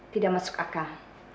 tidak masuk akal